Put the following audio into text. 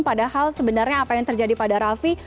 padahal sebenarnya apa yang terjadi pada raffi